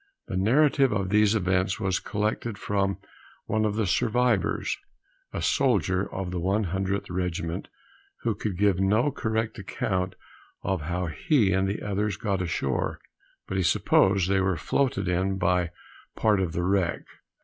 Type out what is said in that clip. The narrative of these events was collected from one of the survivors, a soldier of the 100th regiment, who could give no correct account of how he and the others got ashore, but he supposed they were floated in by part of the wreck.